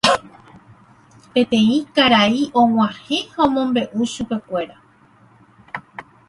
Peteĩ karai og̃uahẽ ha omombe'u chupekuéra.